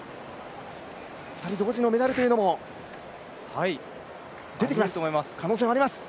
２人同時のメダルというのも出てきます、可能性はあります。